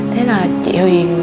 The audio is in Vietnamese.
thế là chị huyền